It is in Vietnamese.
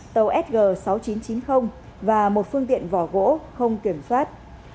tàu sg sáu nghìn chín trăm chín mươi và một phương tiện vỏ gỗ không kiểm soát